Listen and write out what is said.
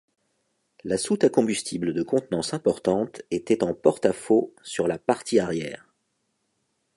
La soute à combustible de contenance importante était en porte-à-faux sur la partie arrière.